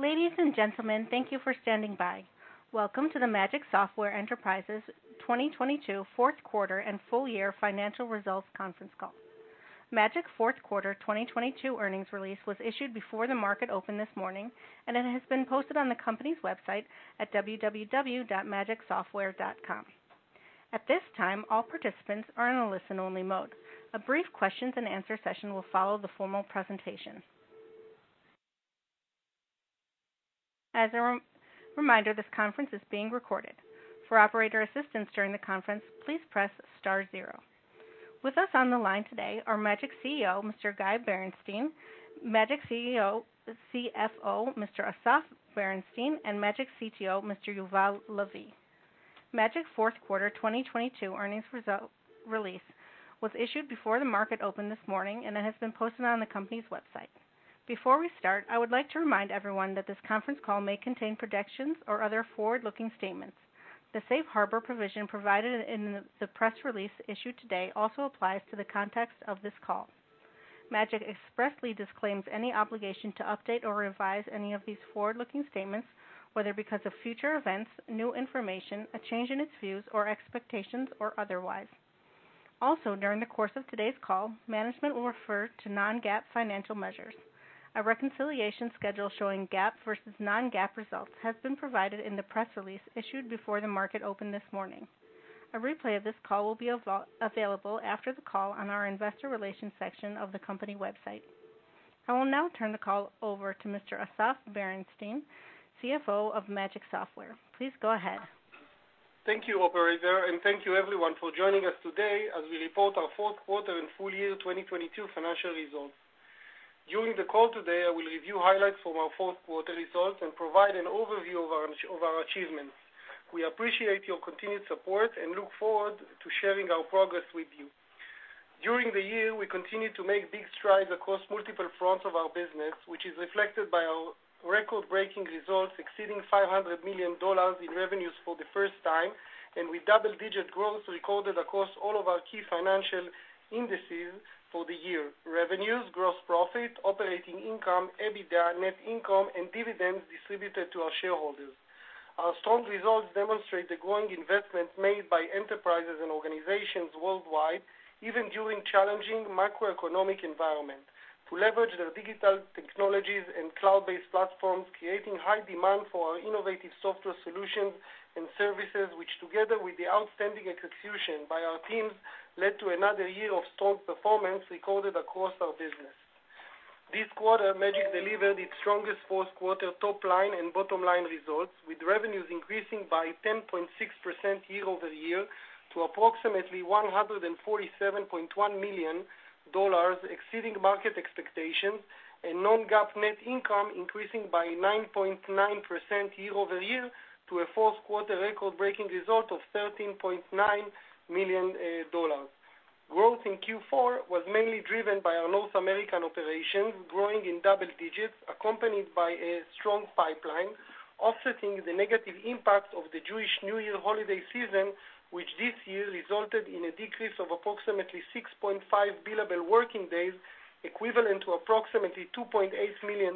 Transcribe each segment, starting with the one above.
Ladies and gentlemen, thank you for standing by. Welcome to the Magic Software Enterprises 2022 fourth quarter and full year financial results conference call. Magic fourth quarter 2022 earnings release was issued before the market opened this morning. It has been posted on the company's website at www.magicsoftware.com. At this time, all participants are in a listen-only mode. A brief questions and answer session will follow the formal presentation. As a re-reminder, this conference is being recorded. For operator assistance during the conference, please press star zero. With us on the line today are Magic CEO, Mr. Guy Bernstein, Magic CFO, Mr. Asaf Berenstin, and Magic CTO, Mr. Yuval Lavi. Magic fourth quarter 2022 earnings release was issued before the market opened this morning. It has been posted on the company's website. Before we start, I would like to remind everyone that this conference call may contain projections or other forward-looking statements. The safe harbor provision provided in the press release issued today also applies to the context of this call. Magic expressly disclaims any obligation to update or revise any of these forward-looking statements, whether because of future events, new information, a change in its views or expectations or otherwise. During the course of today's call, management will refer to non-GAAP financial measures. A reconciliation schedule showing GAAP versus non-GAAP results has been provided in the press release issued before the market opened this morning. A replay of this call will be available after the call on our investor relations section of the company website. I will now turn the call over to Mr. Asaf Berenstin, CFO of Magic Software. Please go ahead. Thank you, operator, thank you everyone for joining us today as we report our fourth quarter and full year 2022 financial results. During the call today, I will review highlights from our fourth quarter results and provide an overview of our achievements. We appreciate your continued support and look forward to sharing our progress with you. During the year, we continued to make big strides across multiple fronts of our business, which is reflected by our record-breaking results exceeding $500 million in revenues for the first time, and with double-digit growth recorded across all of our key financial indices for the year. Revenues, gross profit, operating income, EBITDA, net income, and dividends distributed to our shareholders. Our strong results demonstrate the growing investment made by enterprises and organizations worldwide, even during challenging macroeconomic environment, to leverage their digital technologies and cloud-based platforms, creating high demand for our innovative software solutions and services, which together with the outstanding execution by our teams, led to another year of strong performance recorded across our business. This quarter, Magic delivered its strongest fourth quarter top line and bottom line results, with revenues increasing by 10.6% year-over-year to approximately $147.1 million, exceeding market expectations and non-GAAP net income increasing by 9.9% year-over-year to a fourth quarter record-breaking result of $13.9 million. Growth in Q4 was mainly driven by our North American operations, growing in double digits, accompanied by a strong pipeline, offsetting the negative impact of the Jewish New Year holiday season, which this year resulted in a decrease of approximately 6.5 billable working days, equivalent to approximately $2.8 million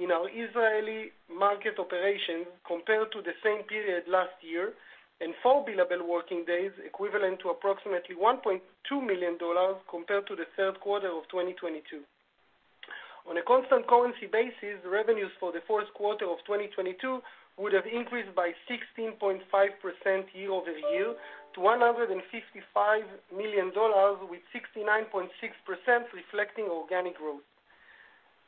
in our Israeli market operations compared to the same period last year, and 4 billable working days equivalent to approximately $1.2 million compared to the third quarter of 2022. On a constant currency basis, revenues for the fourth quarter of 2022 would have increased by 16.5% year-over-year to $155 million, with 69.6% reflecting organic growth.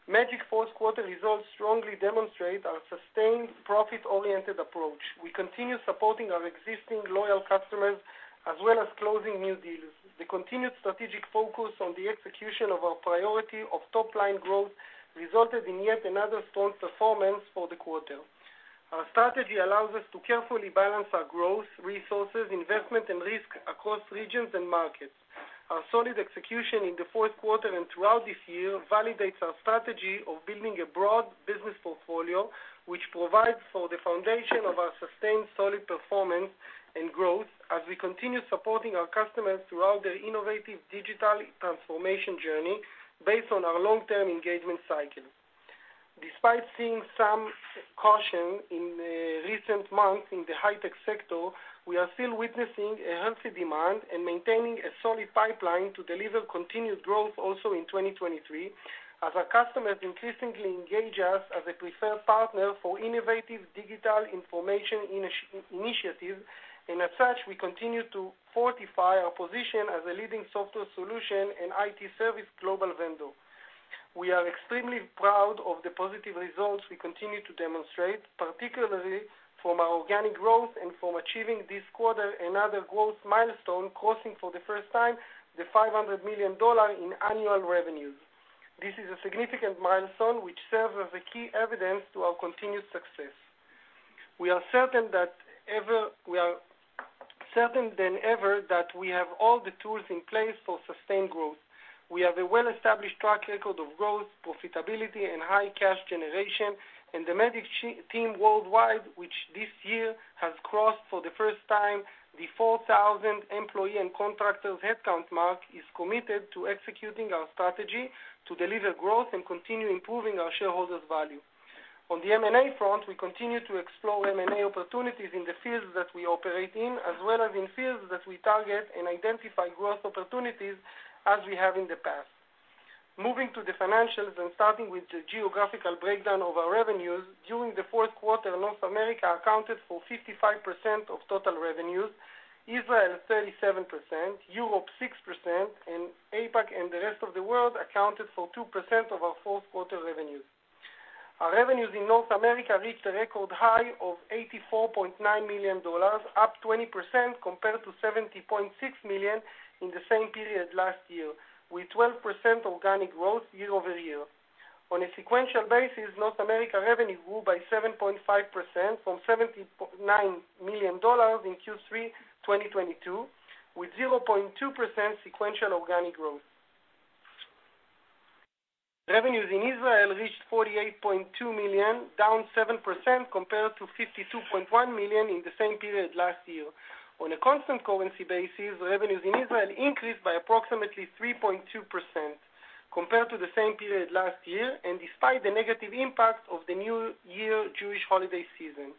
Magic fourth quarter results strongly demonstrate our sustained profit-oriented approach. We continue supporting our existing loyal customers as well as closing new deals. The continued strategic focus on the execution of our priority of top-line growth resulted in yet another strong performance for the quarter. Our strategy allows us to carefully balance our growth, resources, investment and risk across regions and markets. Our solid execution in the fourth quarter and throughout this year validates our strategy of building a broad business portfolio, which provides for the foundation of our sustained solid performance and growth as we continue supporting our customers throughout their innovative digital transformation journey based on our long-term engagement cycle. Despite seeing some caution in recent months in the high-tech sector, we are still witnessing a healthy demand and maintaining a solid pipeline to deliver continued growth also in 2023, as our customers increasingly engage us as a preferred partner for innovative digital information initiatives. As such, we continue to fortify our position as a leading software solution and IT service global vendor. We are extremely proud of the positive results we continue to demonstrate, particularly from our organic growth and from achieving this quarter another growth milestone, crossing for the first time the $500 million in annual revenues. This is a significant milestone which serves as a key evidence to our continued success. We are certain than ever that we have all the tools in place for sustained growth. We have a well-established track record of growth, profitability and high cash generation. The Magic team worldwide, which this year has crossed for the first time the 4,000 employee and contractors headcount mark, is committed to executing our strategy to deliver growth and continue improving our shareholders' value. On the M&A front, we continue to explore M&A opportunities in the fields that we operate in, as well as in fields that we target and identify growth opportunities as we have in the past. Moving to the financials and starting with the geographical breakdown of our revenues, during the fourth quarter, North America accounted for 55% of total revenues, Israel 37%, Europe 6%, and APAC and the rest of the world accounted for 2% of our fourth quarter revenues. Our revenues in North America reached a record high of $84.9 million, up 20% compared to $70.6 million in the same period last year, with 12% organic growth year-over-year. On a sequential basis, North America revenue grew by 7.5% from $70.9 million in Q3 2022, with 0.2% sequential organic growth. Revenues in Israel reached $48.2 million, down 7% compared to $52.1 million in the same period last year. On a constant currency basis, revenues in Israel increased by approximately 3.2% compared to the same period last year and despite the negative impact of the new year Jewish holiday season.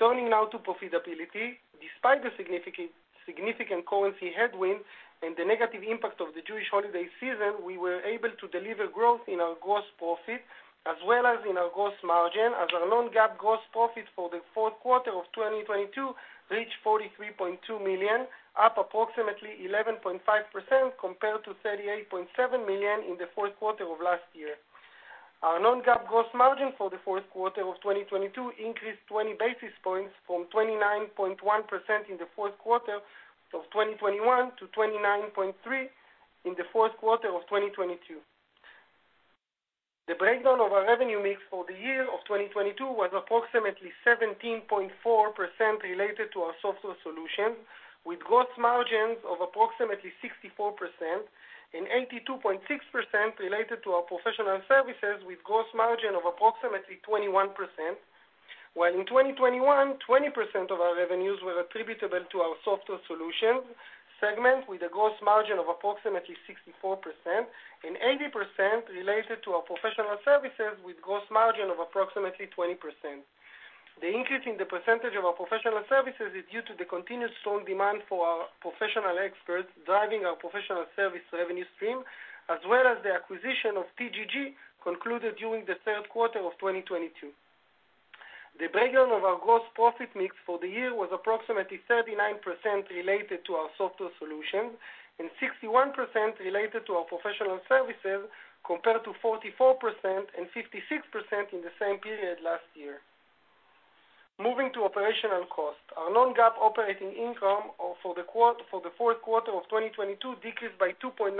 Turning now to profitability. Despite the significant currency headwinds and the negative impact of the Jewish holiday season, we were able to deliver growth in our gross profit as well as in our gross margin, as our non-GAAP gross profit for the fourth quarter of 2022 reached $43.2 million, up approximately 11.5% compared to $38.7 million in the fourth quarter of last year. Our non-GAAP gross margin for the fourth quarter of 2022 increased 20 basis points from 29.1% in the fourth quarter of 2021 to 29.3% in the fourth quarter of 2022. The breakdown of our revenue mix for the year of 2022 was approximately 17.4% related to our software solutions, with gross margins of approximately 64% and 82.6% related to our professional services with gross margin of approximately 21%. While in 2021, 20% of our revenues were attributable to our software solutions segment with a gross margin of approximately 64% and 80% related to our professional services with gross margin of approximately 20%. The increase in the percentage of our professional services is due to the continued strong demand for our professional experts driving our professional service revenue stream, as well as the acquisition of TGG concluded during the third quarter of 2022. The breakdown of our gross profit mix for the year was approximately 39% related to our software solutions and 61% related to our professional services, compared to 44% and 56% in the same period last year. Moving to operational cost. Our non-GAAP operating income for the fourth quarter of 2022 decreased by 2.9%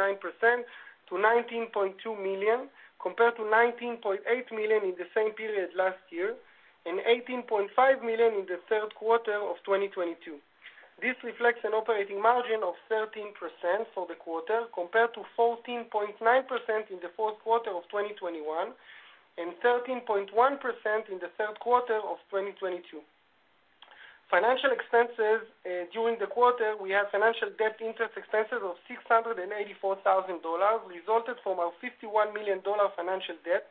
to $19.2 million, compared to $19.8 million in the same period last year and $18.5 million in the third quarter of 2022. This reflects an operating margin of 13% for the quarter, compared to 14.9% in the fourth quarter of 2021 and 13.1% in the third quarter of 2022. Financial expenses. During the quarter, we had financial debt interest expenses of $684,000 resulted from our $51 million financial debt,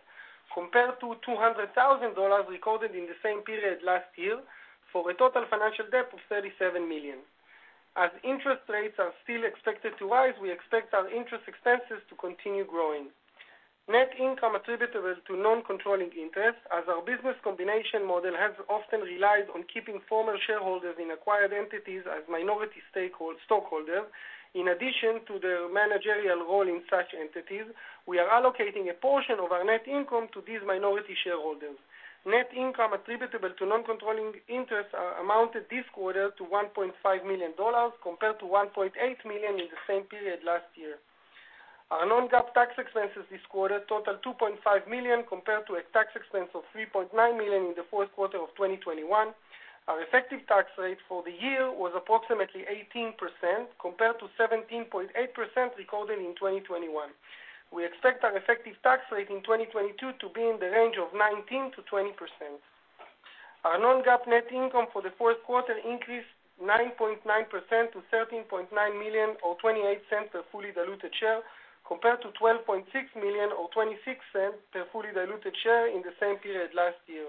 compared to $200,000 recorded in the same period last year for a total financial debt of $37 million. As interest rates are still expected to rise, we expect our interest expenses to continue growing. Net income attributable to non-controlling interests. As our business combination model has often relied on keeping former shareholders in acquired entities as minority stockholders, in addition to their managerial role in such entities, we are allocating a portion of our net income to these minority shareholders. Net income attributable to non-controlling interests amounted this quarter to $1.5 million, compared to $1.8 million in the same period last year. Our non-GAAP tax expenses this quarter totaled $2.5 million, compared to a tax expense of $3.9 million in the fourth quarter of 2021. Our effective tax rate for the year was approximately 18%, compared to 17.8% recorded in 2021. We expect our effective tax rate in 2022 to be in the range of 19%-20%. Our non-GAAP net income for the fourth quarter increased 9.9% to $13.9 million or $0.28 per fully diluted share, compared to $12.6 million or $0.26 per fully diluted share in the same period last year.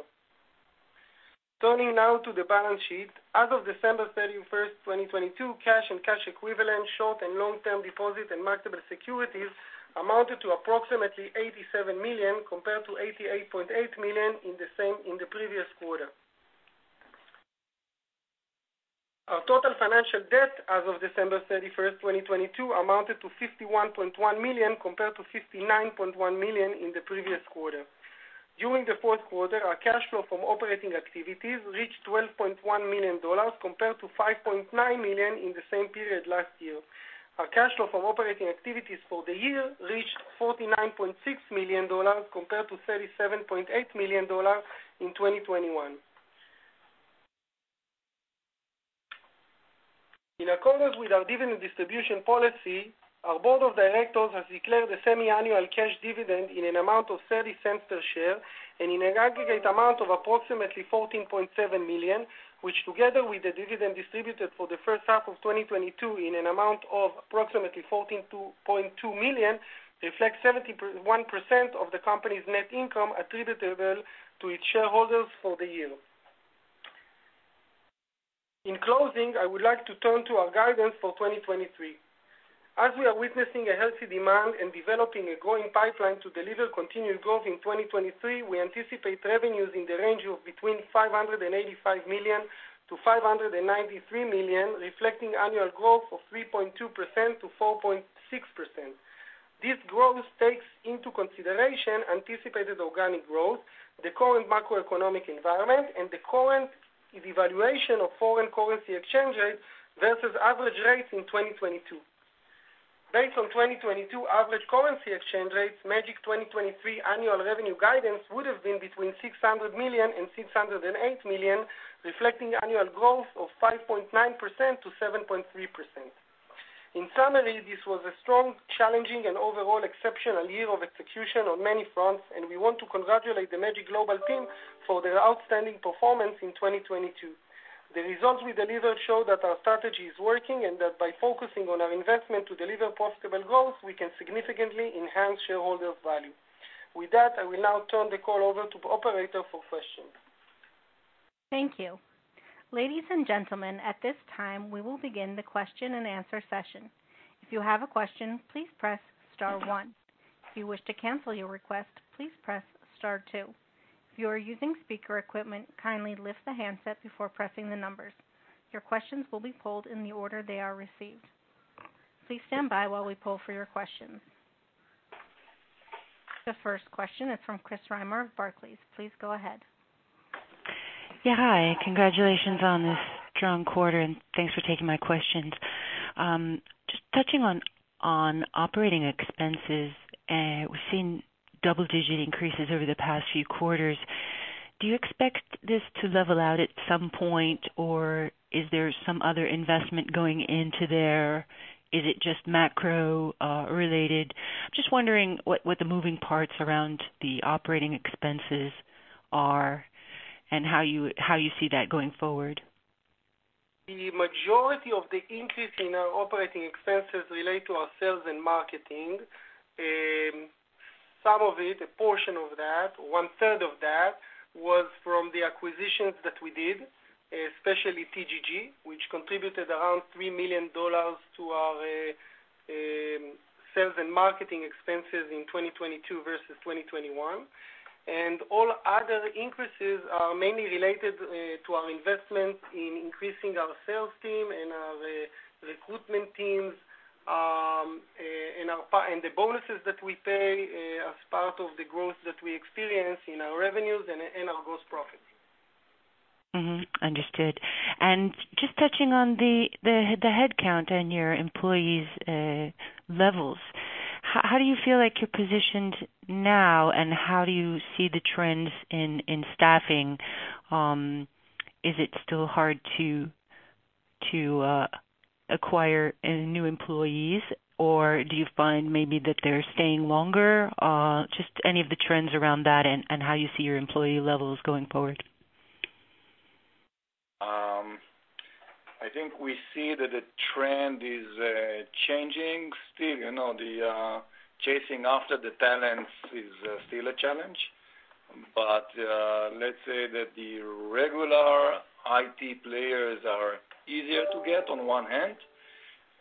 Turning now to the balance sheet. As of December 31st, 2022, cash and cash equivalents, short and long-term deposits and marketable securities amounted to approximately $87 million, compared to $88.8 million in the previous quarter. Our total financial debt as of December 31st, 2022, amounted to $51.1 million, compared to $59.1 million in the previous quarter. During the fourth quarter, our cash flow from operating activities reached $12.1 million, compared to $5.9 million in the same period last year. Our cash flow from operating activities for the year reached $49.6 million, compared to $37.8 million in 2021. In accordance with our dividend distribution policy, our board of directors has declared a semi-annual cash dividend in an amount of $0.30 per share and in an aggregate amount of approximately $14.7 million, which together with the dividend distributed for the first half of 2022 in an amount of approximately $14.2 million, reflects 71% of the company's net income attributable to its shareholders for the year. In closing, I would like to turn to our guidance for 2023. As we are witnessing a healthy demand and developing a growing pipeline to deliver continued growth in 2023, we anticipate revenues in the range of between $585 million-$593 million, reflecting annual growth of 3.2%-4.6%. This growth takes into consideration anticipated organic growth, the current macroeconomic environment, and the current devaluation of foreign currency exchange rates versus average rates in 2022. Based on 2022 average currency exchange rates, Magic 2023 annual revenue guidance would have been between $600 million and $608 million, reflecting annual growth of 5.9%-7.3%. In summary, this was a strong, challenging, and overall exceptional year of execution on many fronts, and we want to congratulate the Magic global team for their outstanding performance in 2022. The results we delivered show that our strategy is working and that by focusing on our investment to deliver profitable growth, we can significantly enhance shareholder value. With that, I will now turn the call over to the operator for questions. Thank you. Ladies and gentlemen, at this time, we will begin the question-and-answer session. If you have a question, please press star one. If you wish to cancel your request, please press star two. If you are using speaker equipment, kindly lift the handset before pressing the numbers. Your questions will be pulled in the order they are received. Please stand by while we pull for your questions. The first question is from Chris Reimer of Barclays. Please go ahead. Hi. Congratulations on this strong quarter, and thanks for taking my questions. Just touching on operating expenses, we've seen double-digit increases over the past few quarters. Do you expect this to level out at some point, or is there some other investment going into there? Is it just macro related? Just wondering what the moving parts around the operating expenses are and how you see that going forward. The majority of the increase in our operating expenses relate to our sales and marketing. Some of it, a portion of that, one-third of that was from the acquisitions that we did, especially TGG, which contributed around $3 million to our sales and marketing expenses in 2022 versus 2021. All other increases are mainly related to our investment in increasing our sales team and our recruitment teams, and the bonuses that we pay as part of the growth that we experience in our revenues and our gross profits. Understood. Just touching on the headcount and your employees' levels, how do you feel like you're positioned now, and how do you see the trends in staffing? Is it still hard to acquire new employees, or do you find maybe that they're staying longer? Just any of the trends around that and how you see your employee levels going forward. I think we see that the trend is changing. Still, you know, the chasing after the talents is still a challenge. Let's say that the regular IT players are easier to get on one hand.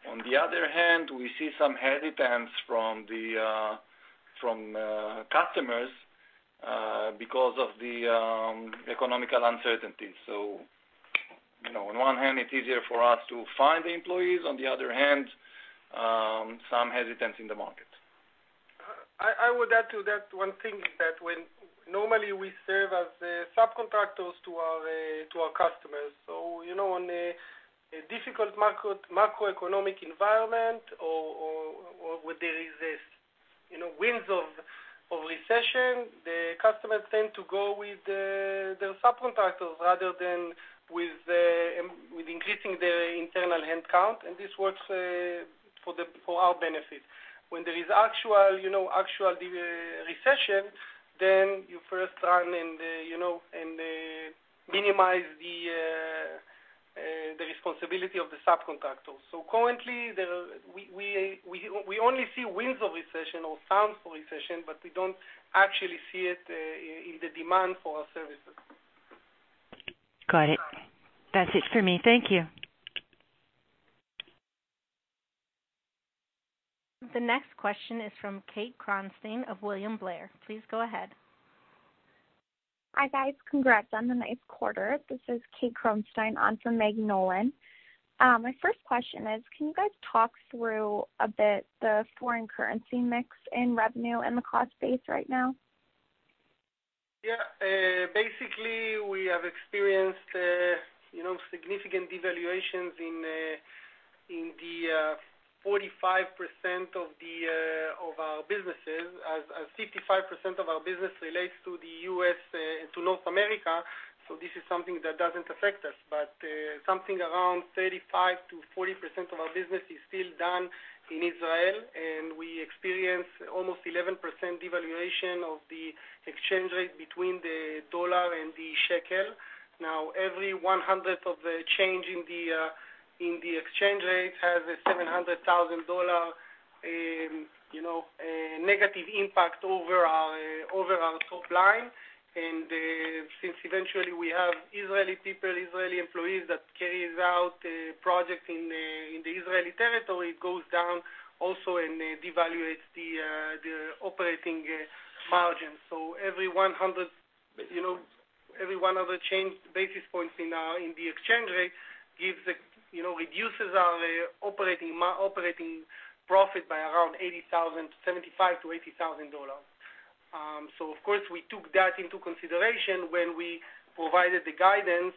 On the other hand, we see some hesitance from the from customers because of the economical uncertainty. You know, on one hand, it's easier for us to find the employees. On the other hand, some hesitance in the market. I would add to that one thing is that normally we serve as subcontractors to our customers. You know, on a difficult macroeconomic environment or where there is this, you know, winds of recession, the customers tend to go with their subcontractors rather than with increasing their internal headcount, and this works for our benefit. When there is actual, you know, recession, then you first try and, you know, minimize the responsibility of the subcontractor. Currently, we only see winds of recession or sounds of recession, but we don't actually see it in the demand for our services. Got it. That's it for me. Thank you. The next question is from Kate Kronstein of William Blair. Please go ahead. Hi, guys. Congrats on the nice quarter. This is Kate Kronstein on for Maggie Nolan. My first question is, can you guys talk through a bit the foreign currency mix in revenue and the cost base right now? Basically, we have experienced, you know, significant devaluations in the 45% of our businesses as 55% of our business relates to the U.S., to North America, this is something that doesn't affect us. Something around 35%-40% of our business is still done in Israel, and we experience almost 11% devaluation of the exchange rate between the dollar and the shekel. Every one hundredth of a change in the exchange rate has a $700,000, you know, a negative impact over our top line. Since eventually we have Israeli people, Israeli employees that carries out projects in the Israeli territory goes down also and devaluates the operating margins. Every one of the changed basis points in the exchange rate, you know, reduces our operating profit by around $75,000-$80,000. Of course, we took that into consideration when we provided the guidance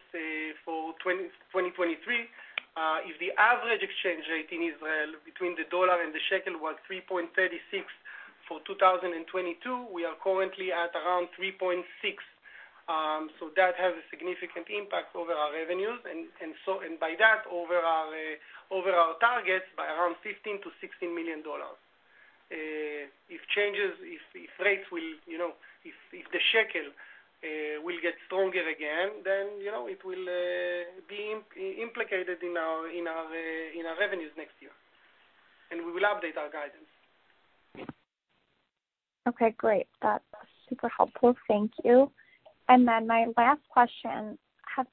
for 2023. If the average exchange rate in Israel between the dollar and the shekel was 3.36 for 2022, we are currently at around 3.6. That has a significant impact over our revenues, and by that, over our targets by around $15 million-$16 million. If changes, if rates will, you know, if the shekel will get stronger again, then, you know, it will be implicated in our revenues next year. We will update our guidance. Okay, great. That's super helpful. Thank you. My last question, have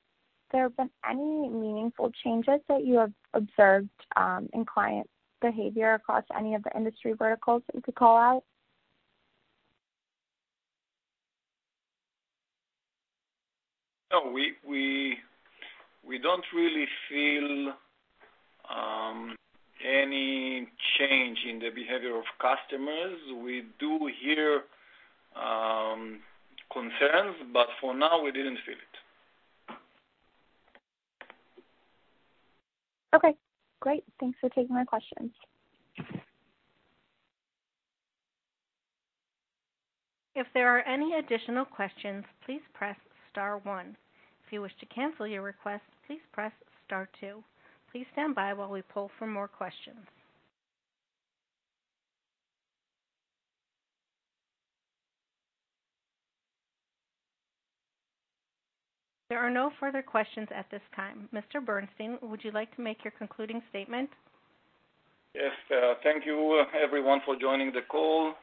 there been any meaningful changes that you have observed, in client behavior across any of the industry verticals that you could call out? No. We don't really feel any change in the behavior of customers. We do hear concerns. For now, we didn't feel it. Okay, great. Thanks for taking my questions. If there are any additional questions, please press star one. If you wish to cancel your request, please press star two. Please stand by while we poll for more questions. There are no further questions at this time. Mr. Bernstein, would you like to make your concluding statement? Yes. Thank you everyone for joining the call.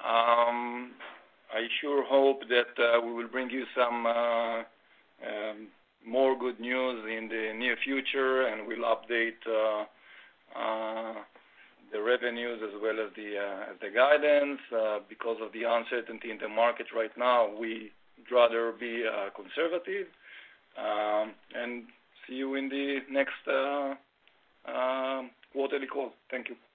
I sure hope that we will bring you some more good news in the near future, and we'll update the revenues as well as the as the guidance. Because of the uncertainty in the market right now, we'd rather be conservative. See you in the next quarterly call. Thank you.